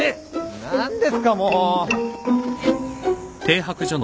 何ですかもう。